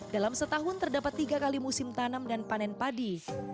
dalam setahun terdapat tiga kali musim tanam dan panen padi